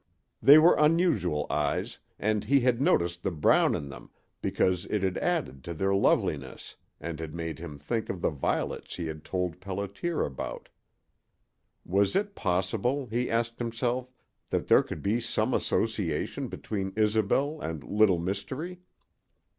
They were unusual eyes, and he had noticed the brown in them because it had added to their loveliness and had made him think of the violets he had told Pelliter about. Was it possible, he asked himself, that there could be some association between Isobel and Little Mystery?